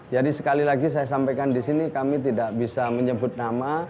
jadi sekali lagi saya sampaikan di sini kami tidak bisa menyebut nama